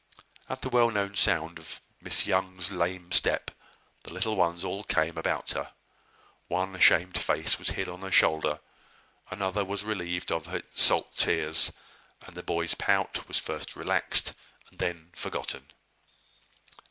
At the well known sound of Miss Young's lame step, the little ones all came about her. One ashamed face was hid on her shoulder; another was relieved of its salt tears; and the boy's pout was first relaxed, and then forgotten.